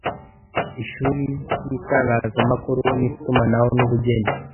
Ishuri ry’ itangazamakuru n’ itumanaho n ‘ubugeni